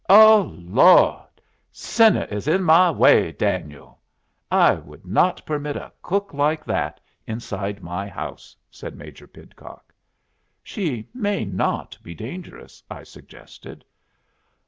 "'O Lawd! Sinner is in my way, Daniel.'" "I would not permit a cook like that inside my house," said Major Pidcock. "She may not be dangerous," I suggested.